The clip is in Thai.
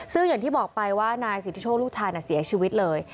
ซึ่งอย่างที่บอกไปว่านายสิทธิโชคลูกชายเสียชีวิตเลย